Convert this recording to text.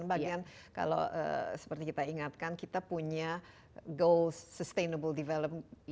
bagian kalau seperti kita ingatkan kita punya goals sustainable development